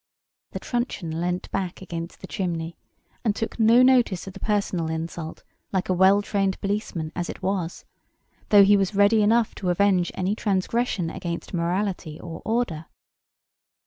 The truncheon leant back against the chimney, and took no notice of the personal insult, like a well trained policeman as it was, though he was ready enough to avenge any transgression against morality or order.